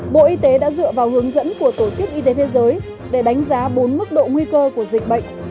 bộ y tế đã dựa vào hướng dẫn của tổ chức y tế thế giới để đánh giá bốn mức độ nguy cơ của dịch bệnh